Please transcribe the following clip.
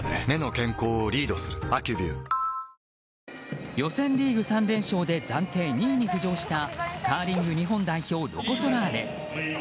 目の健康をリードする「アキュビュー」予選リーグ３連勝で暫定２位に浮上したカーリング日本代表ロコ・ソラーレ。